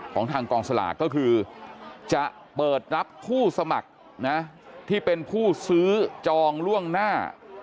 ของทางกองสลากก็คือจะเปิดรับผู้สมัครนะที่เป็นผู้ซื้อจองล่วงหน้า